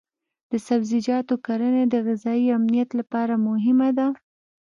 د سبزیجاتو کرنه د غذایي امنیت لپاره مهمه ده.